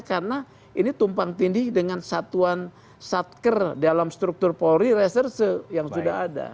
karena ini tumpang tinggi dengan satuan satker dalam struktur polri yang sudah ada